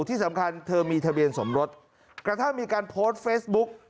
ที่สำคัญเธอมีทะเบียนสมรส